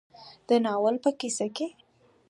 د ناول په کيسه کې